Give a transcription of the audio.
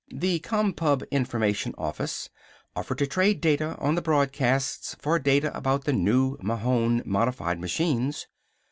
The Compub Information Office offered to trade data on the broadcasts for data about the new Mahon modified machines.